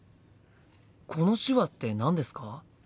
この手話って何ですか？